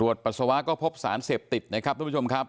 ปัสสาวะก็พบสารเสพติดนะครับทุกผู้ชมครับ